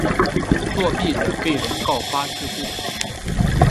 作弊者被人告发治罪。